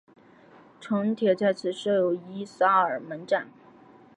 城铁在此设有伊萨尔门站。